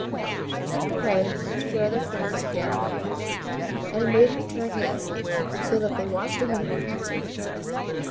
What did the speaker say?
She turned her head to where their friend was again in range, and it made him turn his, so that they watched a minute in concert.